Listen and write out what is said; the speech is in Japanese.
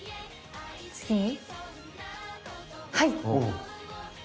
次にはい！